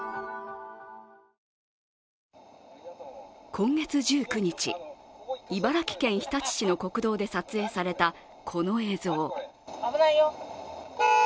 今月１９日、茨城県日立市の国道で撮影されたこの映像。